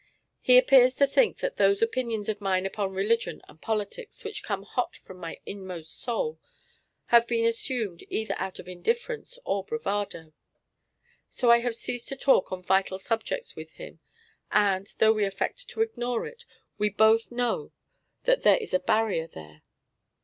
He appears to think that those opinions of mine upon religion and politics which come hot from my inmost soul have been assumed either out of indifference or bravado. So I have ceased to talk on vital subjects with him, and, though we affect to ignore it, we both know that there is a barrier there.